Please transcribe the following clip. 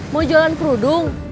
mau jalan perudung